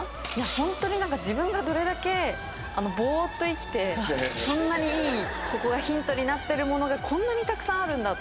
ホントに自分がどれだけぼーっと生きてこんなにいいヒントになってるものがこんなにたくさんあるんだと思って。